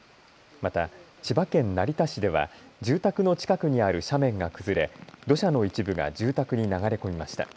また千葉県成田市では住宅の近くにある斜面が崩れ土砂の一部が住宅に流れ込みました。